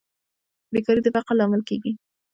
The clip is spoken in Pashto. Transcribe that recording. بیکاري د فقر لامل کیږي